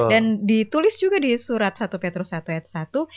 dan ditulis juga di surat satu petrus satu ayat satu